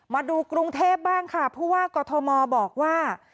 มาดูกรุงเทพฯบ้างค่ะเพราะว่ากฎมอล์บอกว่า